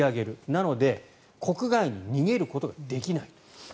なので国外に逃げることができない。